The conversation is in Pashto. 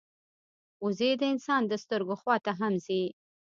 وزې د انسان د سترګو خوا ته هم ځي